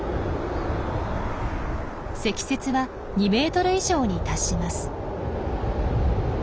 積雪は２ｍ以上に達します。